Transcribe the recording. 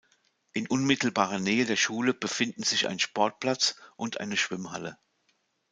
In unmittelbarer Nähe der Schule befinden sich ein Sportplatz und eine Schwimmhalle.